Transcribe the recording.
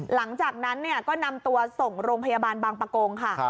หลังจากนั้นก็นำตัวส่งโรงพยาบาลบางปะโกงค่ะ